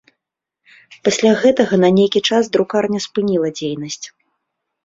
Пасля гэтага на нейкі час друкарня спыніла дзейнасць.